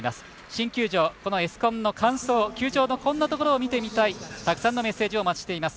新球場、エスコンの感想球場のこんなところを見てみたいたくさんのメッセージもお待ちしています。